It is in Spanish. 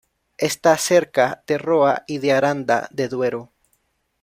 Está cerca de Roa y de Aranda de Duero.